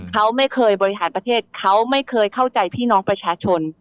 เขาไม่เคยบริหารประเทศเขาไม่เคยเข้าใจพี่น้องประชาชน